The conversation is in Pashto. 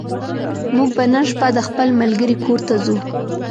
موږ به نن شپه د خپل ملګرې کور ته ځو